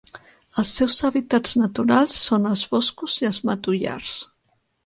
Els seus hàbitats naturals són els boscos i els matollars.